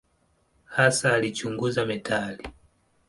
Hasa alichunguza metali.